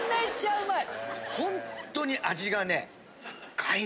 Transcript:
うまい！